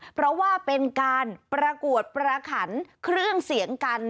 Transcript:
เพราะว่าเป็นการประกวดประขันเครื่องเสียงกัน